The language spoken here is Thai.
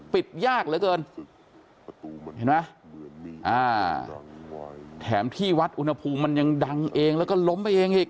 ยากเหลือเกินเห็นไหมอ่าแถมที่วัดอุณหภูมิมันยังดังเองแล้วก็ล้มไปเองอีก